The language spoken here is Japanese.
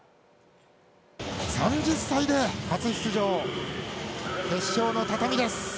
３０歳で初出場、決勝の畳です。